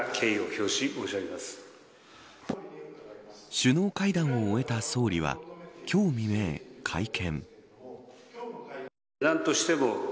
首脳会談を終えた総理は今日未明、会見。